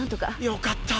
よかった。